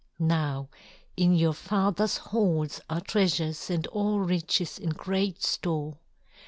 "Now in your father's halls are treasures and all riches in great store.